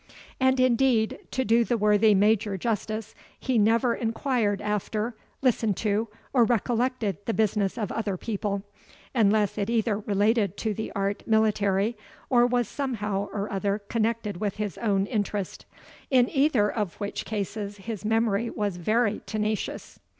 And indeed, to do the worthy Major justice, he never enquired after, listened to, or recollected, the business of other people, unless it either related to the art military, or was somehow or other connected with his own interest, in either of which cases his memory was very tenacious.